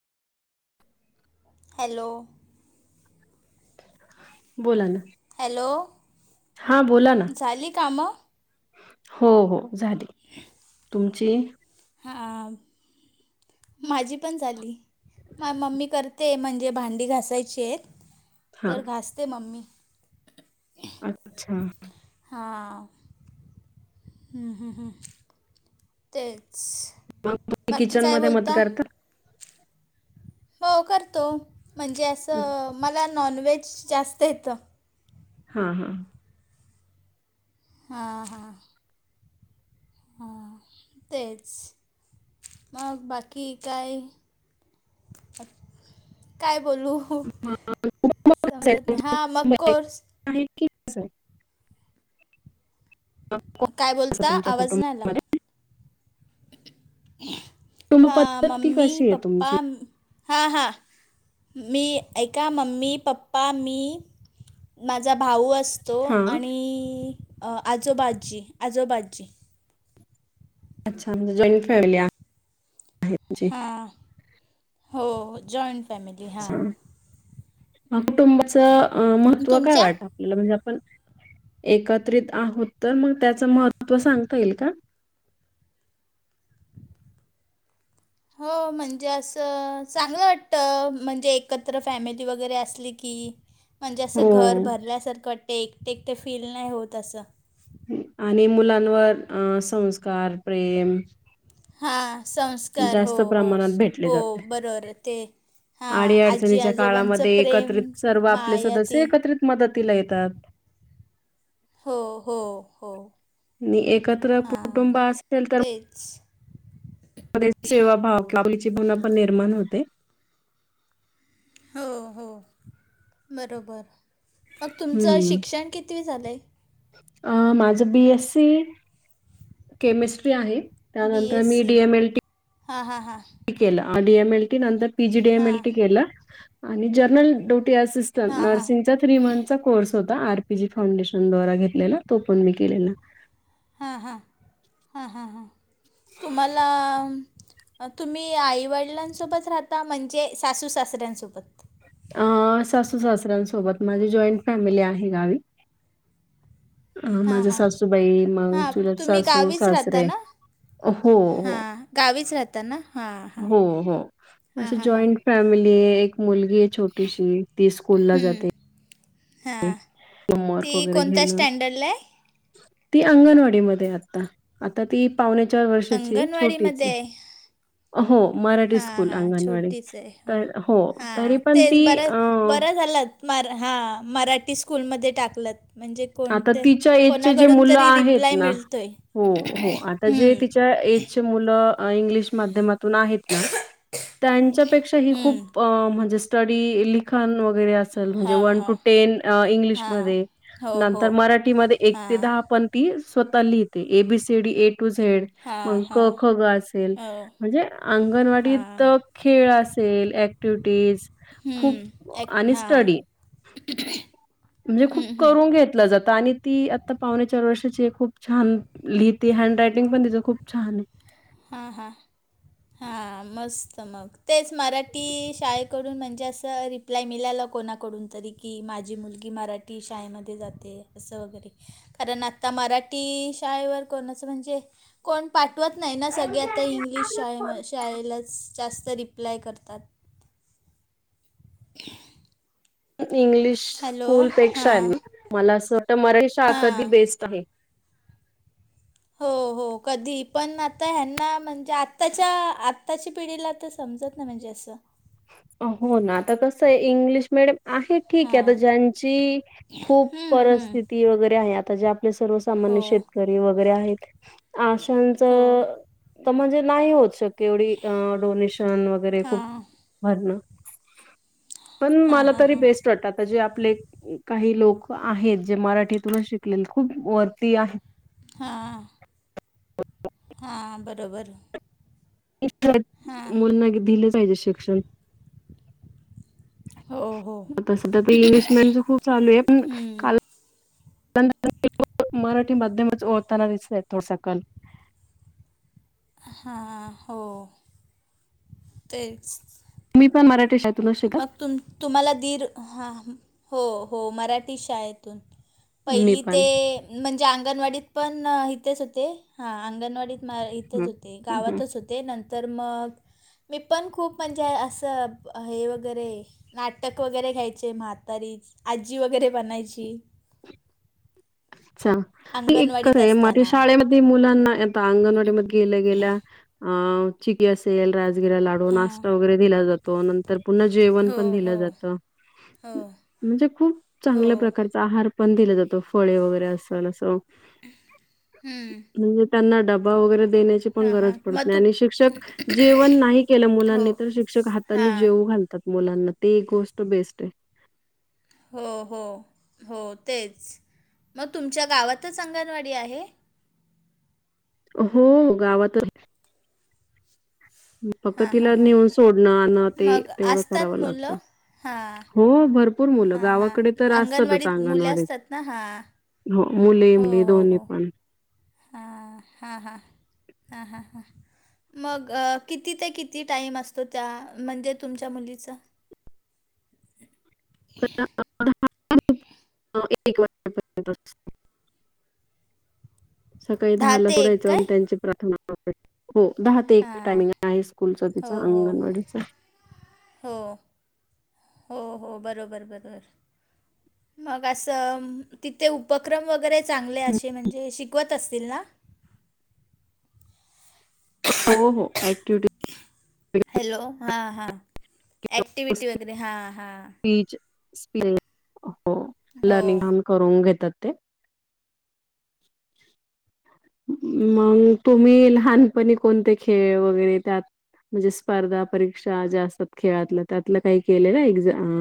Hello बोला ना hello हा बोला ना झाली कामं? हो हो झाली तुमची? हा माझी पण झाली. माय मम्मी करते म्हणजे भांडी घासायची आहेत हा तर घासते मम्मी. अच्छा. हां हम्म हम्म हम्म तेच. मग तुम्ही बाकी किचन काय मध्ये मदत बोलता? करता हो करतो म्हणजे असं मला नॉनव्हेज जास्त येतं. हा हा हा. हा हा ह तेच मग बाकी काय? काय बोलू? हो मग समजत नाही हां मग कोर्स आहेत की कसं आहे? हां. काय बोलता आवाज नाही आला. कुटुंब हा पद्धती मम्मी, कशी आहे पप्पा तुमची हा हा मी ऐका मम्मी पप्पा मी माझा भाऊ असतो हा आणि आजोबा-आज्जी, आजोबा-आज्जी अच्छा म्हणजे जॉईंट फॅमिली या आहे. तुमची हां हो जॉईंट फॅमिली हां. ह कुटुंबाचं महत्त्व काय तुमच्या वाट ल? म्हणजे आपण एकत्रित आहोत तर मग त्याचं महत्त्व सांगता येईल का? हो म्हणजे असं चांगलं वाटतं म्हणजे एकत्र फॅमिली वगैरे असली की. म्हणजे असं घर हो भरल्यासारखं वाटतं एकटं एकटं फील नाही होत असं. आणि मुलांवर अ संस्कार, प्रेम हा संस्कार हो जास्त हो प्रमाणात हो बरोबर ते हां अडी आजी अडचणीच्या आजोबांचं काळामध्ये प्रेम एकत्रीत सर्व आपले माया सदस्य ती एकत्रीत मदतीला येतात. हो हो हो. आणि एकत्र हा कुटुंब असेल तर तेच. मध्ये सेवाभाव आपलीचीपणा निर्माण होते. हो हो बरोबर, मग तुमचं हम्म. शिक्षण किती झालंय? अ माझं बी एस सी केमिस्ट्री आहे. बी त्यानंतर एस मी सी डीएमएलटी हां हां हां. केलं डी एम एल टी नंतर पीजी डी एम हां. एल टी केलं आणि जर्नल ड्युटी असि हां, हां. नर्सिंगचा थ्री मंथचा कोर्स होता आर पी जी फाउंडेशनद्वारा घेतलेला तो पण मी केलेला. हां हां हां हां हां तुम्हाला तुम्ही आई-वडिलांसोबत राहता म्हणजे सासू-सासऱ्यांसोबत अ सासू-सासऱ्यांसोबत माझी जॉईंट फॅमिली आहे गावी. अ हां, माझ्या हां. सासूबाई मंग हां, चुलत तुम्ही सासू सासरे. हो. हा हो, गावीच राहता ना? हां, हां. हो हो हां, असे हां, हां. जॉईंट. फॅमिली आहे एक मुलगी आहे छोटीशी ती स्कूल ला जाते. हां. होमवर्क ती वगैरे कोणत्या घेणं. स्टँडर्डला आहे? ती अंगणवाडीमध्ये आहे आत्ता, आता ती पावणे चार वर्षाची छोटीच आहे. हो मराठी हां स्कूल हां अंगणवाडी छोटीच आहे हो तरी हां पण तेच ती. बरं बरं झालं हा मराठी स्कूल मध्ये टाकलत म्हणजे आता कोणते तिच्या एजचे जे कोणाकडून मुलं तरी आहेत रिप्लाय ना, मिळतो आहे हो हो आता जे तिच्या एजचे. मुलं इंग्लिश माध्यमातुन आहेत ना त्यांच्या पेक्षा ही खूप म्हणजे स्टडी लिखाण वगैरे अस. चल म्हणजे हां वन हां टू टेन हां इंग्लिशमध्ये हो हो नंतर मराठीमध्ये एक ते हां दहा पण ती स्वतः लिहिते, A B C D A to Z. हां मग क हां ख ग असेल. हो म्हणजे हां अंगणवाडीत खेळ असेल अँक्टिव्हिविटिज खूप हं ॲक्ट आणि हां स्टडी [unintelligible] म्हणजे खूप करून घेतल जातं आणि ती आत्ता पावणे चार वर्षाची आहे खूप छान. लिहिते हँडरायटिंग पण तिचं खूप छान आहे. हां हां हां मस्त मग तेच मराठी शाळेकडून म्हणजे असं रिप्लाय मिळाला कोणाकडून तरी की माझी मुलगी मराठी शाळेमध्ये जाते असं वगैरे कारण आता मराठी शाळेवर कोणच म्हणजे कोण पाठवत नाही ना सगळे आता इंग्लिश शाळे म शाळेलाच जास्त रिप्लाय करतात. [inaudible] इंग्लिश हॅलो स्कूलपेक्षा आहे हां नी मला असं वाटतं मराठी शाळा कधी हां बेस्ट आहे. हो हो. हो कधी पण आता ह्यांना म्हणजे आत्ताच्या आत्ताची पिढीला ते समजत नाही म्हणजे असं हो ना आता कसं आहे इंग्लिश मिडियम आहे ठीक आहे आता हां ज्यांची खूप हम्म, हम्म. परिस्थिती वगैरे आहे आता जे आपले सर्व हो सामान्य शेतकरी वगैरे आहेत आशांच हो तर म्हणजे नाही होत शकत केवढी अ डोनेशन वगैरे खूप - - हां भरण पण हां मला हां तरी हां बेस्ट वाटतात. तर जे आपले काही लोक आहेत जे मराठीतूनचं शिकलेले खूप वरती आहेत. हा. हा बरोबर हाय. शिक्षण मुन नईका दिले पाहिजे शिक्षण. हो हो आता सध्या ते इंग्लिश मिडीयमच खूप छान आहे पण काल [unintelligible] मराठी माध्यमच ओळखताना दिसून येतो सकल. हा हो. तेच. मी पण मराठी शाळे - - मग तुम तुम्हाला दीर ह हो हो मराठी शाळेतून. मी पहिली पण ते म्हणजे अंगणवाडीत पण इथेच होते हा अंगणवाडीत नाही इथेच हं होते हं हं. गावातच होते. ते नंतर मग मी पण खूप म्हणजे असं ब हे वगैरे नाटक वगैरे घ्यायचे म्हातारी आजी वगैरे बनायची. [unintelligible] अंगणवाडीत माझ्या असताना शाळेमध्ये मी मुलांना आता अंगणवाडी मध्ये गेल्या गेल्या आ चिकी असेल राजगिरा लाडू हां नाश्ता वगैरे दिला जातो नंत तर पुन्हा जेवण हो पण हो दिलं जात. हो म्हणजे खूप हो चांगल्या प्रकारचा आहार पण दिला जातो फळे वगैरे असेल असं. हम्म. म्हणजे त्यांना डबा वगैरे देण्याची ची पण गरज हां पडत मग नाही तू आणि शिक्षक जेवण नाही केल हो मुलांनी तर शिक्षक हातानी हां जेवू घाल तात मुलांना ते एक गोष्ट बेस्ट आहे. हो हो हो तेच मग तुमच्या गावातच अंगणवाडी आहे. हो गावात आहे. फक्त हां हां तिला नेऊन सोडणं आणण ते मग तेवढं करावं असतात लागतं. मुलं हां हो भरपूर मुलं हां हां गावाकडे तर असतातच अंगणवाडीत मुले अंगणवाडीत. असतात ना हां हो मुले मुली दोन्ही पण. हा हा हा हा हा हा. मग किती ते किती टाईम असतो त्या म्हणजे तुमच्या मुलीचा. [unintelligible] [inaudible] [unintelligible] सकाळी दहा दहाला ते एक सोडायचं काय म त्यांची प्रार्थना हो दहा ते एक हां टायमिंग आहे स्कूलचा तिच हो हो अंगणवाडीचा. हो, हो हो बरोबर बरोबर. मग असं तिथे उपक्रम वगैरे चांगले असे म्हणजे शिकवत असतील ना? हो हो ऍक्टिव्हिटी हॅलो हां हां ऍक्टिव्हिटी वगैरे हां हां. [unintelligible] हो हो लर्निंग हो पण करून घेतात ते [inaudible] मग तुम्ही लहानपणी कोणते खेळ वगैरे त्यात म्हणजे स्पर्धा परीक्षा ज्या असतात खेळातलं त्यातलं काही केलेलं एक्झाम.